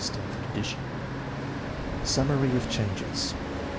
(Stanford addition.) Summary of changes.